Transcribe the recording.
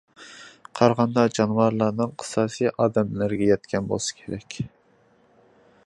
قارىغاندا جانىۋارلارنىڭ قىساسى ئادەملەرگە يەتكەن بولسا كېرەك.